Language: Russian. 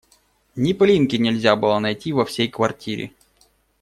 Ни пылинки нельзя было найти во всей квартире.